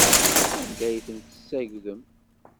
Anda ay ten-tessagdem?